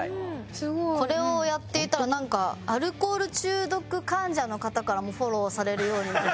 すごい！これをやっていたらなんかアルコール中毒患者の方からもフォローされるようになって。